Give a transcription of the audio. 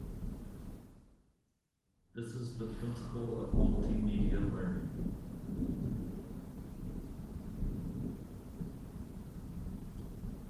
This is the principle of multimedia learning.